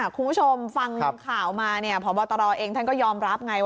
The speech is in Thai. คุณผู้ชมฟังข่าวมาพบตรเองท่านก็ยอมรับไงว่า